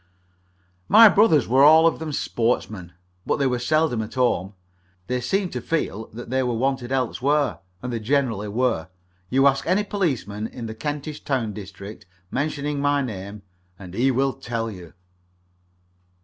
My brothers were all of them sportsmen, but they were seldom at home. They seemed to feel that they were wanted elsewhere, and they generally were. You ask any policeman in the Kentish Town district, mentioning my name, and he will tell you.